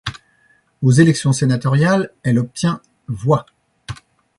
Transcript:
Aux élections sénatoriales, elle obtient voix.